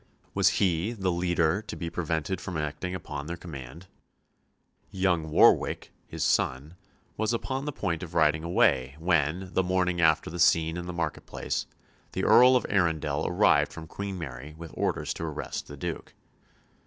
Was he, the leader, to be prevented from acting upon their command? Young Warwick, his son, was upon the point of riding away, when, the morning after the scene in the market place, the Earl of Arundel arrived from Queen Mary with orders to arrest the Duke.